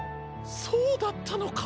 そうだったのか。